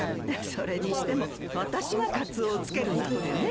それにしても私がカツオをつけるなんてね。